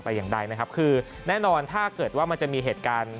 แต่อย่างใดนะครับคือแน่นอนถ้าเกิดว่ามันจะมีเหตุการณ์